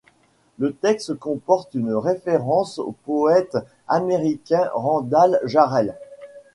Le texte comporte une référence au poète américain Randall Jarrell.